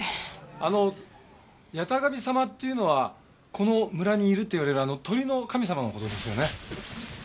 あの八咫神様っていうのはこの村にいると言われるあの鳥の神様の事ですよね？